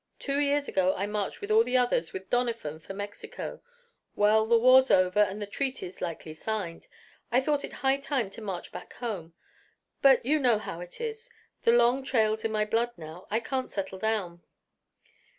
Two years ago I marched with all the others, with Doniphan, for Mexico. Well, the war's over, and the treaty's likely signed. I thought it high time to march back home. But you know how it is the long trail's in my blood now. I can't settle down."